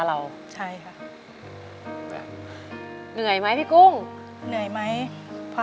เปลี่ยนเพลงเพลงเก่งของคุณและข้ามผิดได้๑คำ